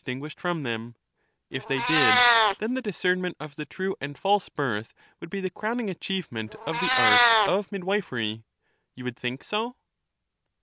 guished from them ; if they did, then the discernment of the He attends true and false birth would be the crowning achievement of ™«°'^^^ the art of midwifery — you would think so